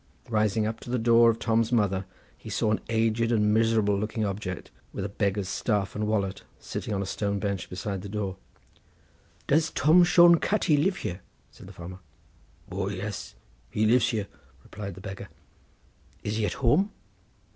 Riding up to the door of Tom's mother, he saw an aged and miserable looking object, with a beggar's staff and wallet, sitting on a stone bench beside the door. "Does Tom Shone Catti live here?" said the farmer. "O yes: he lives here," replied the beggar. "Is he at home?"